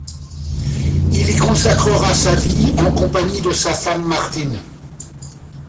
Il y consacrera sa vie en compagnie de sa femme Martine.